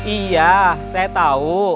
iya saya tahu